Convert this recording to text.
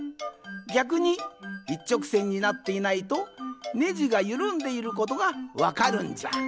ぎゃくにいっちょくせんになっていないとネジがゆるんでいることがわかるんじゃ。